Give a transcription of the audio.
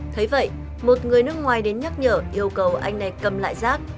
thế vậy một người nước ngoài đến nhắc nhở yêu cầu anh này cầm lại rác